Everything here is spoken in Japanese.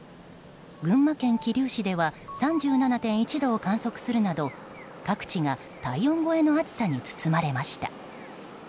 群馬県桐生市では３７．１度を観測するなど各地が体温超えの暑さに包まれました。